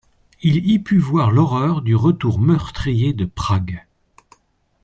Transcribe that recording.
Il y put voir l'horreur du retour meurtrier de Prague.